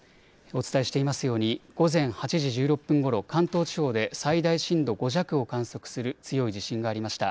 お伝えしていますように、午前８時１６分ごろ、関東地方で最大震度５弱を観測する強い地震がありました。